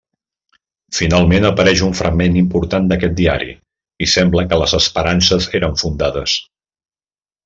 Finalment apareix un fragment important d'aquest diari i sembla que les esperances eren fundades.